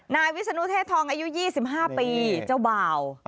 นายวิศนุเทศทองอายุ๒๕ปีเจ้าบ่าว